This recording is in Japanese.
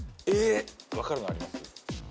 分かるのあります？